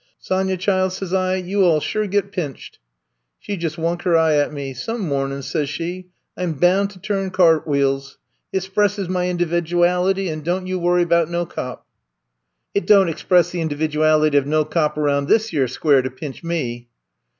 * Sonya, chile,' sez I, *you alI sure get pinched.' She jus' wunk her eye at me. *Some mornin's,' sez she, *I 'm boun' to turn cart w'eels. It spresses ma individuality, and don' you worry about no cop.' It don't express the 56 I'VE COMB TO STAY individuality o' no cop aroun' dis yere square to pinch me!